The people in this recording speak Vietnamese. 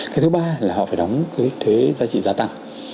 cái thứ ba là họ phải đóng thuế giá trị giá tặng